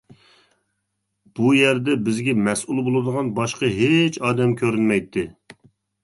بۇ يەردە بىزگە مەسئۇل بولىدىغان باشقا ھېچ ئادەم كۆرۈنمەيتتى.